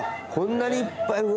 こんなにいっぱい。